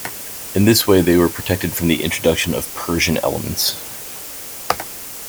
In this way they were protected from the introduction of Persian elements.